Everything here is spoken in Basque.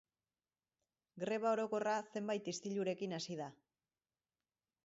Greba orokorra zenbait istilurekin hasi da.